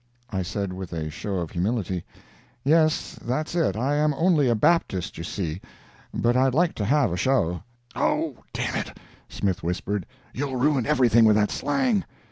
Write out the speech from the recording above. I said, with a show of humility: "Yes, that's it—I am only a Baptist, you see, but I'd like to have a show." "Oh, d——it!" Smith whispered, "you'll ruin everything with that slang."